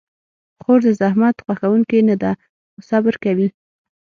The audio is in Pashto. خور د زحمت خوښونکې نه ده، خو صبر کوي.